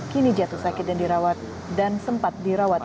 kini jatuh sakit dan dirawat